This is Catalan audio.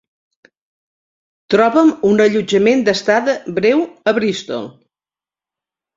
Troba'm un allotjament d'estada breu a Bristol.